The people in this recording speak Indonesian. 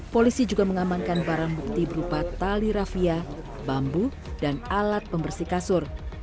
polisi juga mengamankan barang bukti berupa tali rafia bambu dan alat pembersih kasur